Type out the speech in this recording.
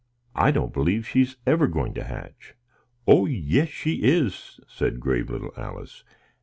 "I don't believe she's ever going to hatch." "Oh, yes she is!" said grave little Alice.